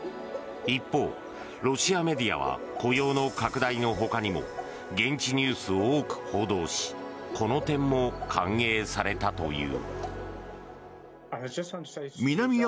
一方、ロシアメディアは雇用の拡大のほかにも現地ニュースを多く報道しこの点も歓迎されたという。